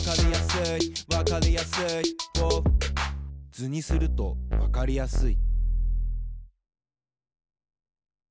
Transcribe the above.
図にするとわかりやすい。